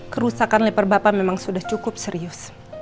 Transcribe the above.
kerusakan leper bapak memang sudah cukup serius